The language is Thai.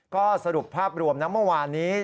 ก็สรุปภาพรวมนะเมื่อวานนี้